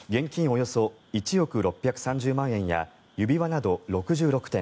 およそ１億６３０万円や指輪など６６点